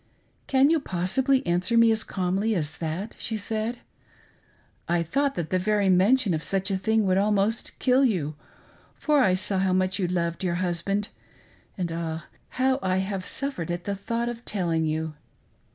"Can you possibly answer me as calmly as that.'" she said; "I thought that the very mention of such a thing would almost kill you, for I saw how much you loved your husband, and. Ah, how I have suffered at the thought of telling you.